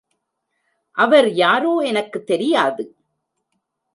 அவர் யாரோ, எனக்குத் தெரியாது.